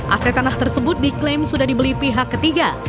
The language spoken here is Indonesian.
aset tanah tersebut diklaim sudah dibeli pihak ketiga